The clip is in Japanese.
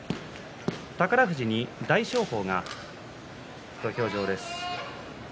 宝富士、大翔鵬が土俵上です。